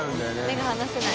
目が離せない。